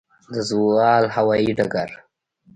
د زاول هوايي ډګر